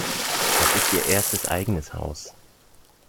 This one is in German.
Es ist ihr erstes eigenes Haus.